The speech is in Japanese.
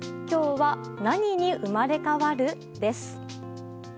今日は何に生まれ変わる？です。